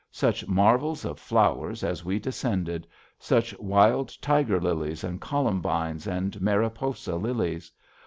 Such marvels of flowers as we descended, such wild tiger lilies and columbines and Mariposa lilies!